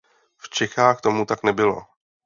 V Čechách tomu tak nebylo.